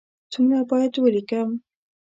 څومره باید ولیکم؟